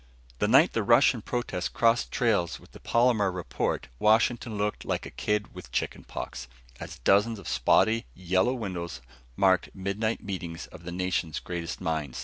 The night the Russian protest crossed trails with the Palomar report, Washington looked like a kid with chicken pox, as dozens of spotty yellow windows marked midnight meetings of the nation's greatest minds.